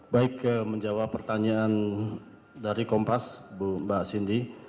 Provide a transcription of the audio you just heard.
baik menjawab pertanyaan dari kompas mbak cindy